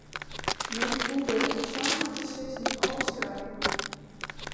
Men koe der om samar te sizzen alles krije.